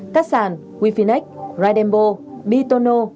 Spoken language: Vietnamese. cát sản wifinex raidenbo bitono